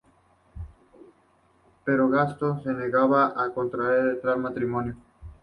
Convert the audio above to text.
Pero Gastón se negaba a contraer tal matrimonio.